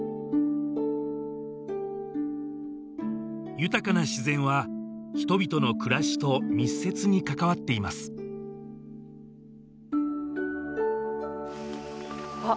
豊かな自然は人々の暮らしと密接に関わっていますあっ